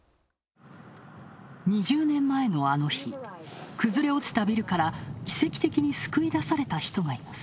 ２０年前の、あの日崩れ落ちたビルから奇跡的に救い出された人がいます。